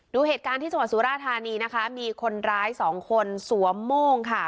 ดูเหตุการณ์ที่จังหวัดสุราธานีนะคะมีคนร้ายสองคนสวมโม่งค่ะ